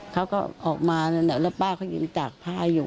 เขาก็ออกมาแล้วป้าเขายินจากผ้าอยู่